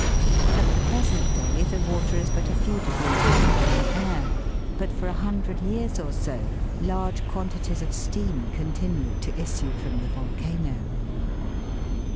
At the present day the water is but a few degrees warmer than the air; but for a hundred years or so large quantities of steam continued to issue from the volcano.